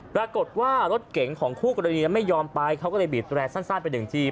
ปรากฏว่ารถเก๋งของคู่กรณีไม่ยอมไปเขาก็เลยบีดแร่สั้นไปหนึ่งที